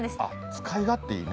使い勝手いいね。